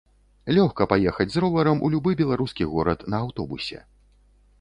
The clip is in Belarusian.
Лёгка паехаць з роварам у любы беларускі горад на аўтобусе.